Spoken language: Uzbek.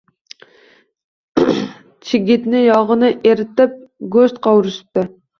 Chigitni yog‘ini eritib go‘sht qovurishibdi.